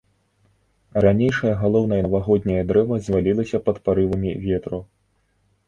Ранейшае галоўнае навагодняе дрэва звалілася пад парывамі ветру.